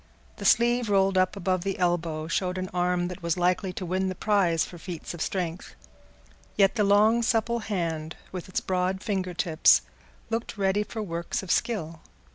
The sleeve rolled up above the elbow showed an arm that was likely to win the prize for feats of strength; yet the long supple hand, with its broad finger tips, looked ready for works of skill.